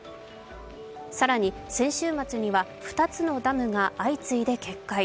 更に、先週末には２つのダムが相次いで決壊。